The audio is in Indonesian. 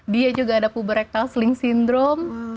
dia juga ada puber rectal sling syndrome